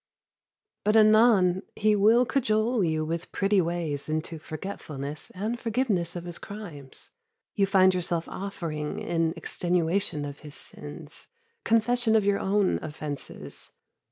But anon he will cajole you with pretty ways into forgetfulness and forgiveness of his crimes. You find yourself offering, in extenuation of his sins, confession of your own offenses.